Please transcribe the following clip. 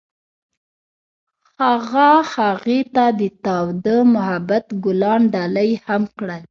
هغه هغې ته د تاوده محبت ګلان ډالۍ هم کړل.